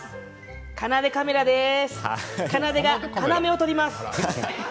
かなでカメラです。